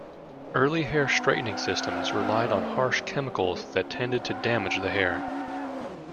Early hair straightening systems relied on harsh chemicals that tended to damage the hair.